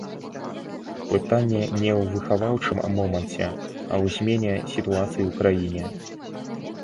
Пытанне не ў выхаваўчым моманце, а ў змене сітуацыі ў краіне.